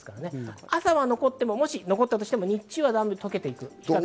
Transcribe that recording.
朝は、もし残ったとしても日中はとけていく。